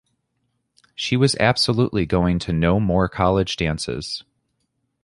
She was absolutely going to no more college dances.